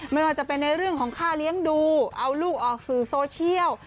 ไม่ว่าจะเป็นในเรื่องของค่าเลี้ยงดูเอาลูกออกสื่อโซเชียล